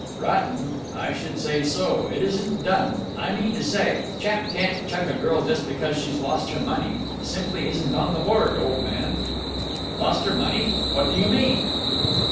"Rotten? I should say so! It isn't done. I mean to say, chap can't chuck a girl just because she's lost her money. Simply isn't on the board, old man!" "Lost her money? What do you mean?"